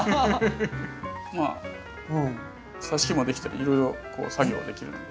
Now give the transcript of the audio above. まあさし木もできたりいろいろ作業はできるので。